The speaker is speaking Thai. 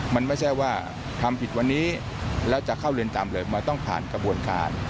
มันไม่ใช่ว่าทำผิดวันนี้แล้วจะเข้าเรือนจำเลยมันต้องผ่านกระบวนการ